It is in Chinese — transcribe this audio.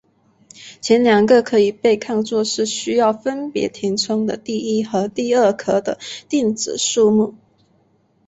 前两个可以被看作是需要分别填充的第一和第二壳的电子数目。